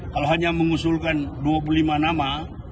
kalau hanya mengusulkan dua puluh lima nama